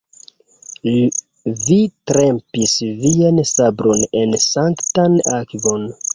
vi trempis vian sabron en sanktan akvon.